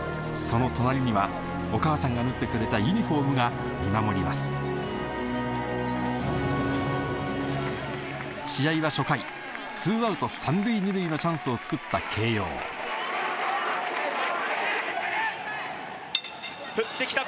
その隣にはお母さんが縫ってくれたユニホームが見守ります試合は初回ツーアウト３塁２塁のチャンスをつくった京葉振って来た